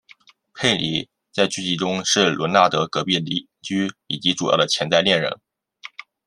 佩妮在剧集里是伦纳德隔壁的邻居以及主要的潜在恋人。